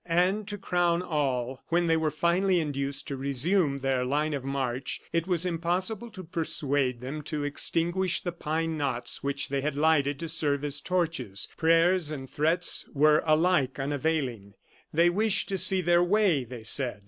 And to crown all, when they were finally induced to resume their line of march, it was impossible to persuade them to extinguish the pine knots which they had lighted to serve as torches. Prayers and threats were alike unavailing. "They wished to see their way," they said.